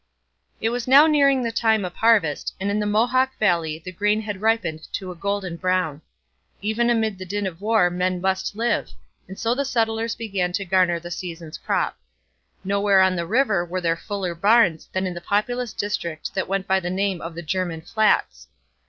It was now nearing the time of harvest, and in the Mohawk valley the grain had ripened to a golden brown. Even amid the din of war men must live, and so the settlers began to garner the season's crop. Nowhere on the river were there fuller barns than in the populous district that went by the name of the German Flatts.